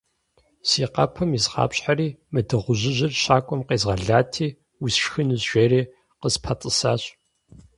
- Си къэпым изгъапщхьэри мы дыгъужьыжьыр щакӏуэм къезгъэлати, «усшхынущ» жери къыспэтӏысащ.